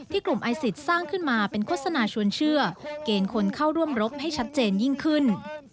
กลุ่มไอซิตสร้างขึ้นมาเป็นโฆษณาชวนเชื่อเกณฑ์คนเข้าร่วมรบให้ชัดเจนยิ่งขึ้น